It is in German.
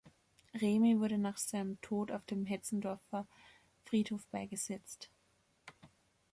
Remy wurde nach seinem Tode auf dem Hetzendorfer Friedhof beigesetzt.